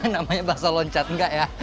namanya bakso loncat nggak ya